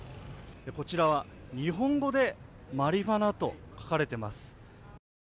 こちらは日本語でマリファナと書かれています。